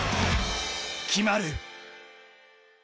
決まる。